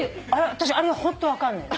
私あれホント分かんない。